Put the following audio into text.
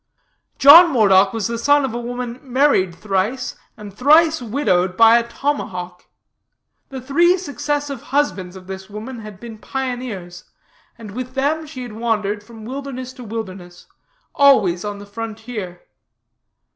"'John Moredock was the son of a woman married thrice, and thrice widowed by a tomahawk. The three successive husbands of this woman had been pioneers, and with them she had wandered from wilderness to wilderness, always on the frontier.